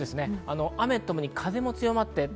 雨と共に風も強まって。